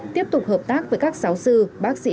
tiếp tục hợp tác với các giáo sư bác sĩ